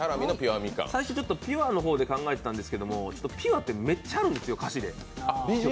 最初ちょっとピュアの方で考えていたんですけども、ピュアってめっちゃあるんですよ歌詞で。